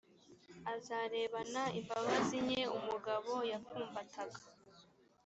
azarebana imbabazi nke umugabo yapfumbataga,